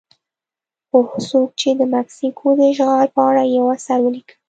هغه څوک چې د مکسیکو د اشغال په اړه یو اثر ولیکه.